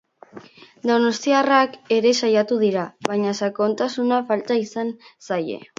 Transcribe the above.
Donostiarrak ere saiatu dira, baina sakontasuna falta izan zaie.